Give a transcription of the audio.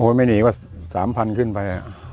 โอ้ยไม่หนีว่า๓๐๐๐ขึ้นไป